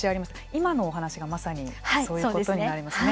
今のお話がまさにそういうことになりますね。